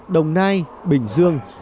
đồng nai bình dương